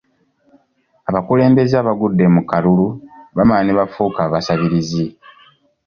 Abakulembeze abagudde mu kalulu bamala ne bafuuka abasabirizi.